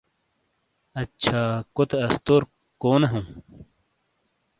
اچھا، کوتے استور کونے ہاؤں؟